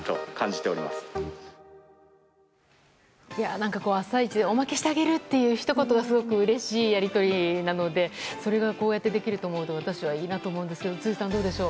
なにかこう、朝市でおまけしてあげるっていうひとことがすごくうれしいやり取りなのでそれがこうやってできると思うと私はいいなと思いますが辻さん、どうでしょう。